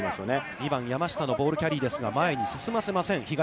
２番、山下のボールキャリーですが、前に進ませません。